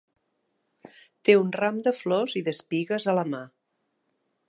Té un ram de flors i d'espigues a la mà.